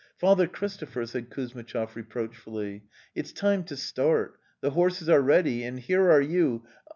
"Father Christopher," said Kuzmitchov re proachfully, '' it's time to start; the horses are ready, and here are you